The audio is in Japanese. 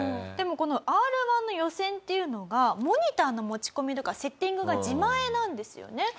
でもこのＲ−１の予選っていうのがモニターの持ち込みとかセッティングが自前なんですよね。